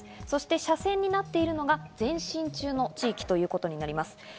そして斜線になっているのが前進中の地域となります。